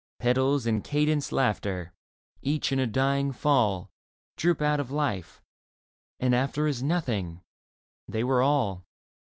Petals and cadenced laughter, Each in a dying fall, , Droop out of life ; and after \ Is nothing ; they were all.